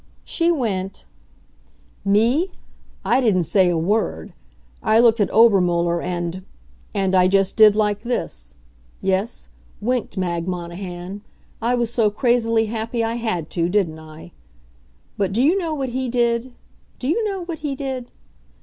She went. Me? I didn't say a word. I looked at Obermuller and and I just did like this. Yes, winked, Mag Monahan. I was so crazily happy I had to, didn't I? But do you know what he did? Do you know what he did?